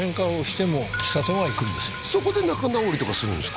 そこで仲直りとかするんですか？